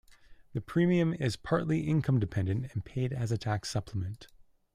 The premium is partly income-dependent and paid as a tax supplement.